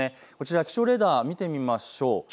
気象レーダー、見てみましょう。